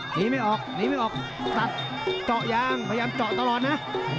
หนีไม่ออกหนีไม่ออกตัดเจาะยางพยายามเจาะตลอดนะ